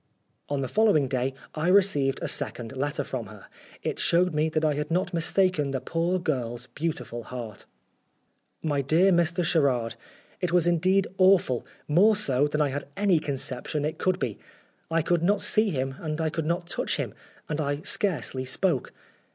On the following day I received a second letter from her. It showed me that I had not mistaken the poor girl's beautiful heart. "My DEAR MR. SHERARD, It was indeed awful, more so than I had any conception it could be. I could not see him and I could not touch him, and I scarcely spoke.